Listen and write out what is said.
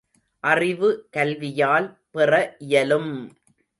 அறிவு கல்வியால் பெற இயலும்!